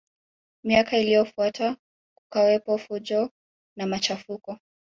Miaka iliyofuata kukawepo fujo na machafuko